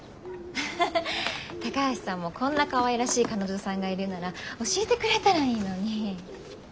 ハッハハ高橋さんもこんなかわいらしい彼女さんがいるなら教えてくれたらいいのに。